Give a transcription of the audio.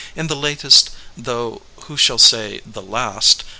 SITUATION the latest — though who shall say the last